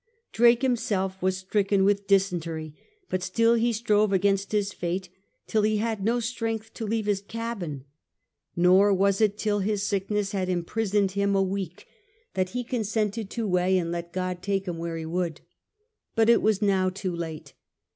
Drake himself was stricken with dysentery, but still he strove against his fate till he had no strength to leave his cabin. Nor was it till his sickness had imprisoned him a 2o8 S/H FRANCIS DRAKE chap. week that he consented to weigh and let God take him where He would. But it was now too late.